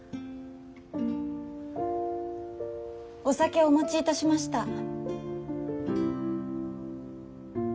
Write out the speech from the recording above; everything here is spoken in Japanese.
お酒をお持ちいたしました。